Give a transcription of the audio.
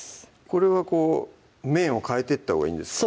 これは面を変えてったほうがいいんですか？